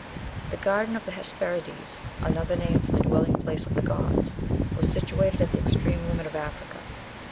"The Garden of the Hesperides" (another name for the dwelling place of the gods) "was situated at the extreme limit of Africa.